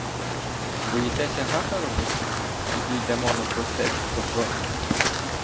— Боїтеся гака робити? Тоді йдемо навпростець до фронту.